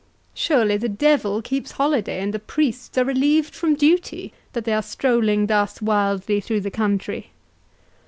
Surely the devil keeps holiday, and the priests are relieved from duty, that they are strolling thus wildly through the country.